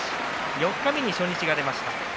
四日目に初日が出ました。